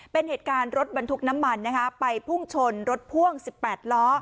เป็นเหตุการณ์รถบรรทุกน้ำมันนะคะไปพุ่งชนรถพ่วง๑๘ล้อ